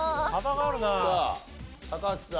さあ橋さん。